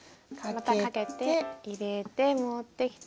またかけて入れて持ってきて。